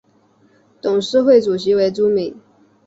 董事会主席为朱敏。